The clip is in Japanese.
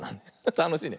たのしいね。